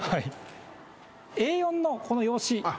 Ａ４のこの用紙。